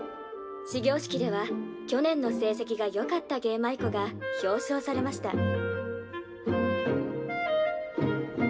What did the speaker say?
「始業式では去年の成績がよかった芸舞妓が表彰されました」。